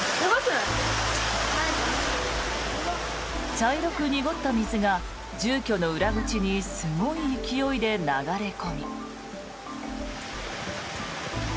茶色く濁った水が住居の裏口にすごい勢いで流れ込み。